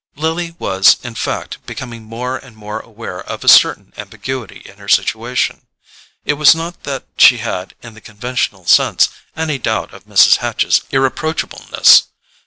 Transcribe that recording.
Lily was in fact becoming more and more aware of a certain ambiguity in her situation. It was not that she had, in the conventional sense, any doubt of Mrs. Hatch's irreproachableness.